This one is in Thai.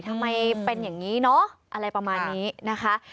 ทำไมเป็นอย่างนี้เนอะอะไรประมาณนี้นะคะ